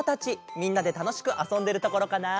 みんなでたのしくあそんでるところかな？